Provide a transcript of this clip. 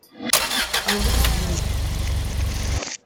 August wurde.